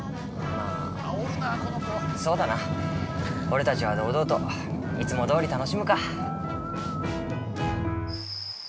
俺たちは堂々といつもどおり楽しむか。